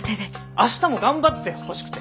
明日も頑張ってほしくて。